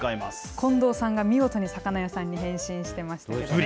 近藤さんが見事に魚屋さんに変身してましたね。